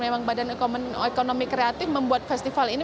memang badan ekonomi kreatif membuat festival ini